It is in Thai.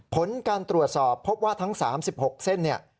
ผลการตรวจสอบพบว่าทั้ง๓๖เส้นเนี่ย